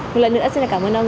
một lần nữa xin cảm ơn ông